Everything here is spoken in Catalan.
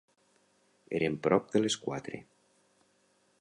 Eren prop de les quatre.